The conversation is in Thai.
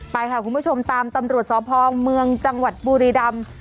ไปค่ะคุณผู้ชมตามตำรวจสพเมืองจังหวัดบุรีรำ